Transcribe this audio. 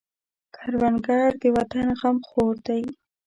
کروندګر د وطن غمخور دی